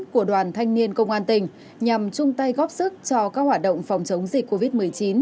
của đoàn thanh niên công an tỉnh nhằm chung tay góp sức cho các hoạt động phòng chống dịch covid một mươi chín